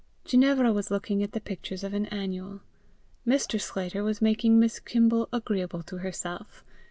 Ginevra, was looking at the pictures of an annual. Mr. Sclater was making Miss Kimble agreeable to herself.